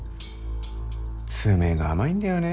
詰めが甘いんだよね